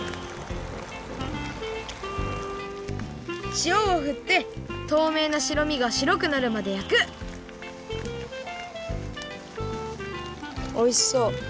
しおをふってとうめいなしろみがしろくなるまでやくおいしそう！